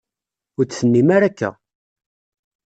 Ur d-tennim ara akka.